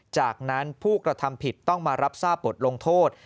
จากนั้นผู้กระทำผิดต้องมารับทราบบทลงโทษ